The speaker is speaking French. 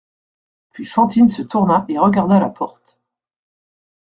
Puis Fantine se tourna et regarda la porte.